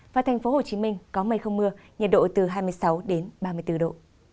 và thành phố hồ chí minh có mây không mưa nhiệt độ từ hai mươi sáu đến ba mươi độ